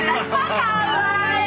かわいいの！